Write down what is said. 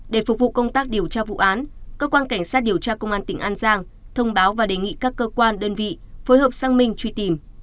để phục vụ công tác điều tra vụ án cơ quan cảnh sát điều tra công an tỉnh an giang thông báo và đề nghị các cơ quan đơn vị phối hợp sang mình truy tìm